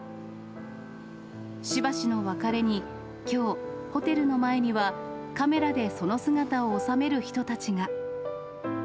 しばしの別れにきょう、ホテルの前にはカメラでその姿を収める人たちが。